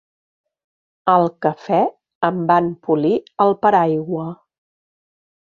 Al cafè em van polir el paraigua.